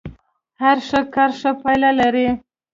هر ښه کار ښه پايله لري.